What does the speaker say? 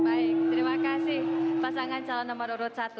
baik terima kasih pasangan calon nomor urut satu